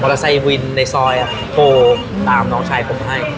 มอเตอร์ไซค์วินในซอยอะโทรตามน้องชายพบให้